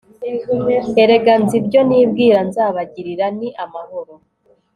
Erega nzi ibyo nibwira nzabagirira Ni amahoro